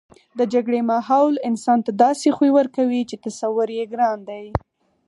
د جګړې ماحول انسان ته داسې خوی ورکوي چې تصور یې ګران دی